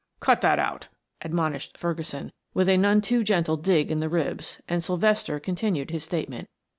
"Cut that out," admonished Ferguson with a none too gentle dig in the ribs, and Sylvester continued his statement.